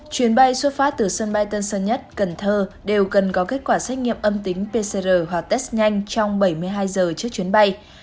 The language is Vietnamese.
chuyến bay xuất phát từ sân bay tân sơn nhất cần thơ đều cần có kết quả xét nghiệm âm tính pcr hoặc test nhanh trong bảy mươi hai giờ trước chuyến bay